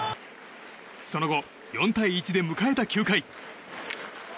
その後、４対１で迎えた９回。